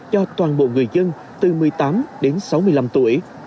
cho toàn bộ người dân từ một mươi tám đến sáu mươi năm tuổi